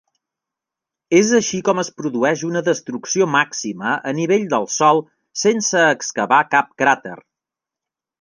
És així com es produeix una destrucció màxima a nivell del sòl sense excavar cap cràter.